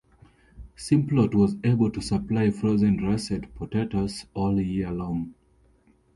Simplot was able to supply frozen russet potatoes all year long.